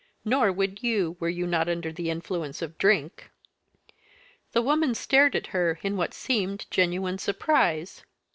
Nor would you were you not under the influence of drink." The woman stared at her in what seemed genuine surprise.